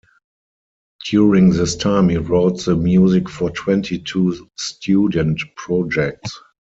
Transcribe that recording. During this time he wrote the music for twenty-two student projects.